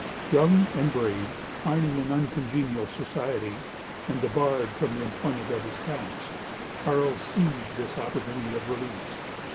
Young and brave, pining in uncongenial society, and debarred from the employment of his talents, Charles seized this opportunity of release.